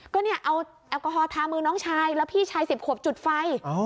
ก็เนี่ยเอาแอลกอฮอลทามือน้องชายแล้วพี่ชาย๑๐ขวบจุดไฟ